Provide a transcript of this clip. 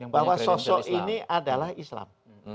bahwa sosok ini adalah islam